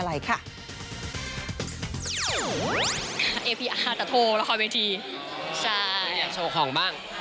อยากโชว์ของบ้าง